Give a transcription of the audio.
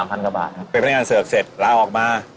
เป็นพนักงานเสิร์ฟเสร็จล้าออกมา